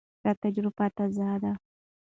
دا تجربه تازه ده.